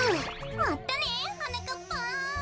まったねはなかっぱん！